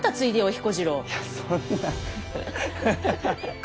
いやそんな。